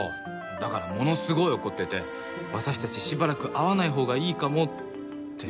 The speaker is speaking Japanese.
だからものすごい怒ってて私たちしばらく会わないほうがいいかもって。